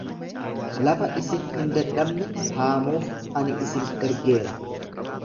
Lafa isin hin dadhabne haamuuf ani isin ergeera.